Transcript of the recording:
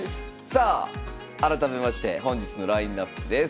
さあ改めまして本日のラインナップです。